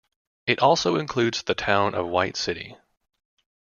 It also includes the town of White City.